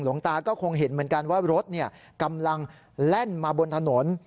หลวงตาก็คงเห็นเหมือนกันว่ารถกำลังแล่นมาบนถนน